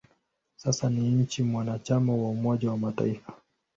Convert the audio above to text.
Sasa ni nchi mwanachama wa Umoja wa Mataifa.